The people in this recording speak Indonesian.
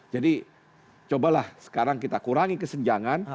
jadi cobalah sekarang kita kurangi kesenjangan